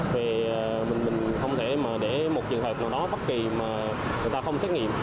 thì mình không thể mà để một trường hợp nào đó bất kỳ mà người ta không xét nghiệm